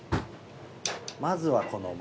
まずはこのまま。